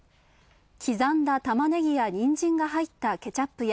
刻んだたまねぎやニンジンが入ったケチャップや。